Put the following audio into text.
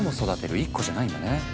１個じゃないんだね。